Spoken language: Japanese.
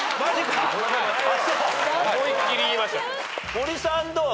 森さんどう？